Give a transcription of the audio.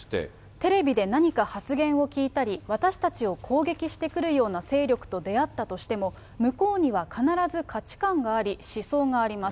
テレビで何か発言を聞いたり、私たちを攻撃してくるような勢力と出会ったとしても、向こうには必ず価値観があり、思想があります。